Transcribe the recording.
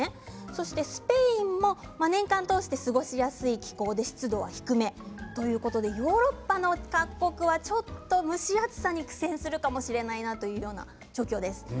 そしてスペインも年間を通して過ごしやすい気候で湿度は低めということでヨーロッパの各国はちょっと蒸し暑さに苦戦するかもしれないなという状況です。